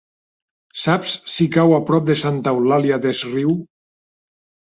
Saps si cau a prop de Santa Eulària des Riu?